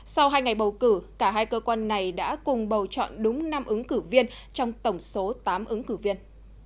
sau hai ngày bầu cử cả hai cơ quan này đã cùng bầu chọn đúng năm ứng cử viên trong tổng số tám ứng cử viên